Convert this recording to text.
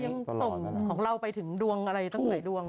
ยังส่งของเราไปถึงดวงอะไรตั้งหลายดวง